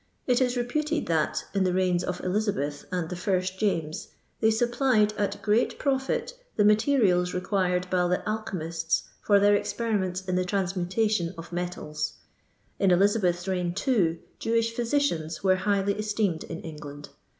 It is reputed that, in the reigns of Elisabeth and the first James, they sup plied, at great profit, the materials required by the alchymists for their experiments in the tmnsnmta I tion of metals. In Eliubeth's reign, too, Jewish ' physicians were highly esteemed in England.